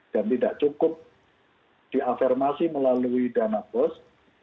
dan tidak cukup diafirmasi melalui dana bos